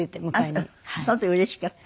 その時うれしかった？